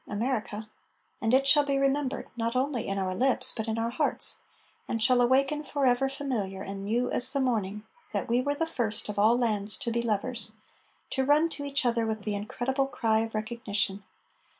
America! And it shall be remembered not only in our lips but in our hearts And shall awaken forever familiar and new as the morning That we were the first of all lands To be lovers, To run to each other with the incredible cry Of recognition.